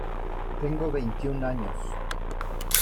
Tengo veintiún años.